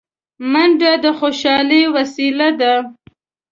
منډه د خوشحالۍ وسیله ده